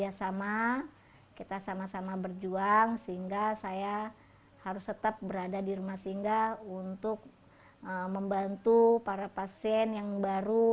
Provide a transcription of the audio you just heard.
ya sama kita sama sama berjuang sehingga saya harus tetap berada di rumah singgah untuk membantu para pasien yang baru